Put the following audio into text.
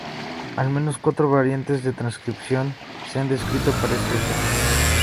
Al menos cuatro variantes de transcripción se han descrito para este gen.